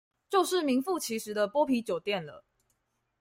就是名符其實的剝皮酒店了